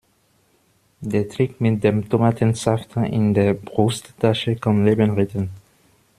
Der Trick mit dem Tomatensaft in der Brusttasche kann Leben retten.